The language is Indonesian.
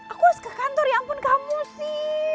aku harus ke kantor ya ampun kamu sih